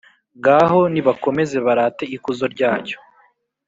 Ngaho nibakomeze barate ikuzo ryacyo,